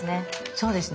そうですね。